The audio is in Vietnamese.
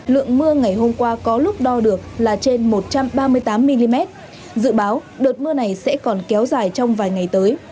lượng mưa ngày hôm qua có lúc đo được là trên một trăm ba mươi tám mm dự báo đợt mưa này sẽ còn kéo dài trong vài ngày tới